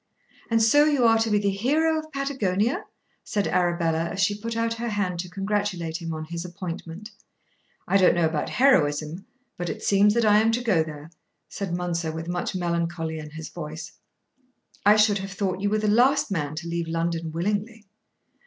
"And so you are to be the hero of Patagonia?" said Arabella as she put out her hand to congratulate him on his appointment. "I don't know about heroism, but it seems that I am to go there," said Mounser with much melancholy in his voice. "I should have thought you were the last man to leave London willingly."